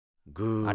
あれ？